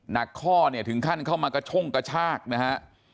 นักข้อถึงขั้นเข้ามากระช่งกระชากนะครับ